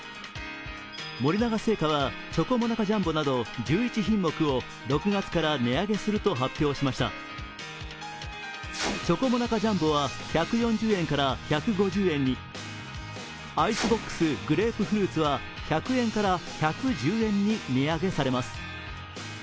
森永製菓はチョコモナカジャンボなど１１品目を６月から値上げすると発表しましたチョコモナカジャンボは１４０円から１５０円に、アイスボックス・グレープフルーツは１００円から１１０円に値上げされます。